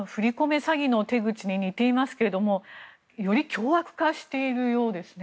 詐欺の手口に似ていますがより凶悪化しているようですね。